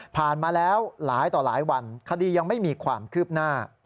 มาแล้วหลายต่อหลายวันคดียังไม่มีความคืบหน้า